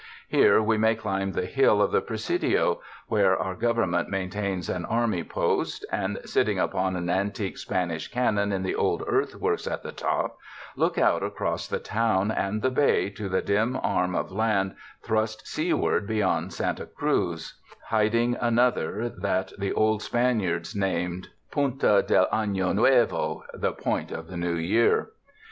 Here we may climb the hill of the Presidio, where our Gov ernment maintains an army post, and sitting upon an antique Spanish cannon in the old earthworks at the top, look out across the town and the bay to the dim arm of land thrust seaward beyond Santa Cruz, hiding another that the old Spaniards named 226 TOURIST TOWNS Punta (le Afio Niiovo — the Point of the New Year.